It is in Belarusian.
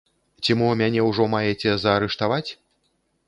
Ці мо мяне ўжо маеце заарыштаваць?